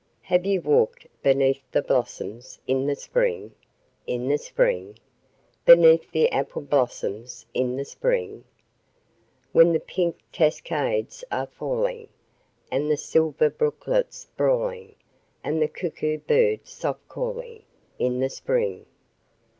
Have you walked beneath the blossoms in the spring? In the spring? Beneath the apple blossoms in the spring? When the pink cascades are falling, And the silver brooklets brawling, And the cuckoo bird soft calling, In the spring.